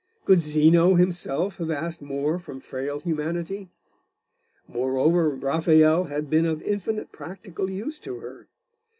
Could Zeno himself have asked more from frail humanity? Moreover, Raphael had been of infinite practical use to her.